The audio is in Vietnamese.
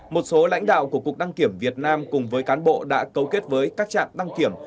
một số lãnh đạo của cục đăng kiểm việt nam cùng với cán bộ đã cấu kết với các trạm đăng kiểm